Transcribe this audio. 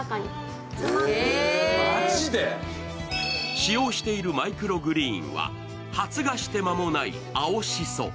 使用しているマイクログリーンは発芽して間もない青しそ。